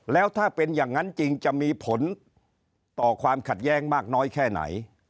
แล้วถ้าเป็นอย่างนั้นจริงจะมีผลต่อความขัดแย้งมากน้อยแค่ไหน